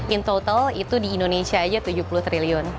in total itu di indonesia aja tujuh puluh triliun